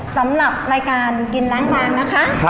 สำหรับรายการกินล้างบางนะคะ